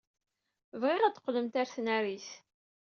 Bɣiɣ ad d-teqqlemt ɣer tnarit.